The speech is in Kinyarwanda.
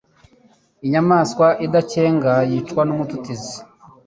Inyamaswa idakenga yicwa n’umututizi